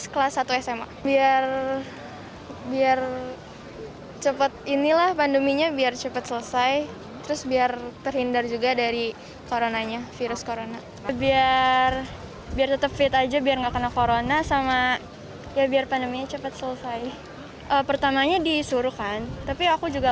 pertamanya disuruhkan tapi aku juga mau sendiri jadi aku daftar sendiri